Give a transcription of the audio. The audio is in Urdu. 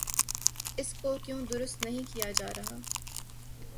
اس کو کیوں درست نہیں کیا جا رہا؟